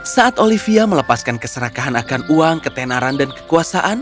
saat olivia melepaskan keserakahan akan uang ketenaran dan kekuasaan